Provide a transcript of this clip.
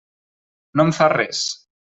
No em fa res.